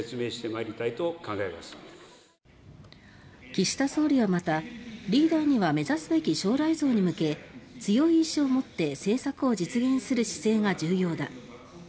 岸田総理はまた「リーダーには目指すべき将来像に向け強い意志を持って政策を実現する姿勢が重要だ」